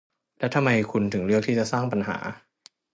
และทำไมคุณถึงเลือกที่จะสร้างปัญหา